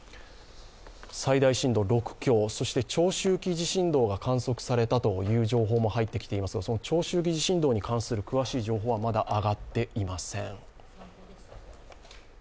最大震度６強、そして長周期地震動が観測されたという情報も入ってきていますが、その長周期地震動に関する詳しい情報はまだ上がってきていません。